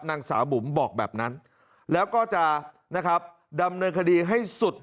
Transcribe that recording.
นางสาวบุ๋มบอกแบบนั้นแล้วก็จะนะครับดำเนินคดีให้สุด